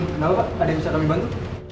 kenapa pak ada yang bisa kami bantu